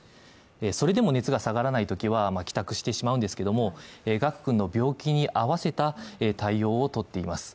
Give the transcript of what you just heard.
それでも熱が下がらないときは帰宅してしまうんですけれども、賀久君の病気に合わせた対応を取っています。